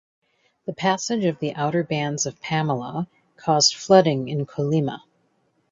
The passage of the outer bands of Pamela caused flooding in Colima.